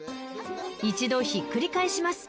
［一度ひっくり返します］